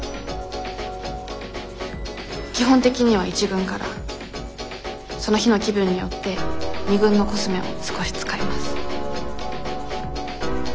基本的には１軍からその日の気分によって２軍のコスメを少し使います。